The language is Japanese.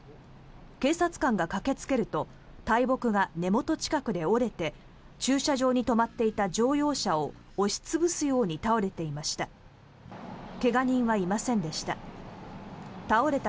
警察官が駆けつけると大木が根元近くで折れて駐車場に止まっていた乗用車を押し潰すように倒れていました。